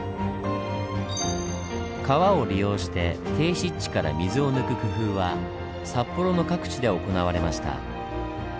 川を利用して低湿地から水を抜く工夫は札幌の各地で行われました。